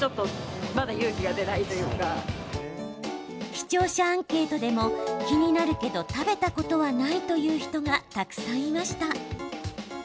視聴者アンケートでも気になるけど食べたことはないという人がたくさんいました。